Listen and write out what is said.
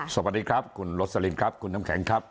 สวัสดีครับคุณโรสลินครับคุณน้ำแข็งครับ